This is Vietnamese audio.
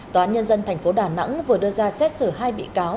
tòa án nhân dân tp đà nẵng vừa đưa ra xét xử hai bị cáo